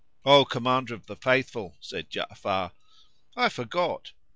"O Commander of the Faithful," said Ja'afar, "I forgot."